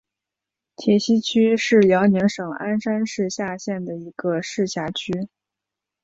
铁西区是辽宁省鞍山市下辖的一个市辖区。